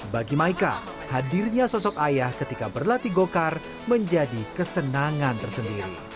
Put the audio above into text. bagi maika hadirnya sosok ayah ketika berlatih go kart menjadi kesenangan tersendiri